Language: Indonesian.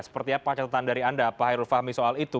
seperti apa catatan dari anda pak hairul fahmi soal itu